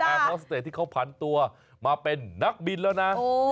ฮอสเตจที่เขาผันตัวมาเป็นนักบินแล้วนะ